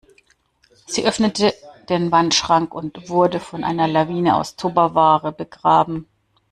Sie öffnete den Wandschrank und wurde von einer Lawine aus Tupperware begraben.